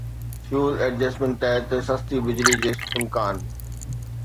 fuel adjustment تحت سستي بجلي جو امڪان